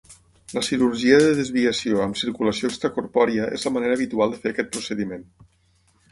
La cirurgia de desviació amb circulació extracorpòria és la manera habitual de fer aquest procediment.